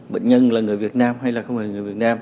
bệnh nhân là người việt nam hay là không phải người việt nam